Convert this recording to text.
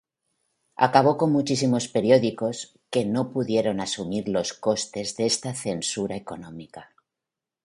Acabó con muchísimos periódicos, que no pudieron asumir los costes de este censura económica.